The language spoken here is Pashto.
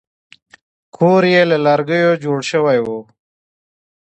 کور یې له لرګیو جوړ شوی و.